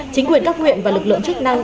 chính quyền các huyện và lực lượng chức năng